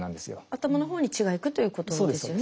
頭のほうに血が行くということですよね。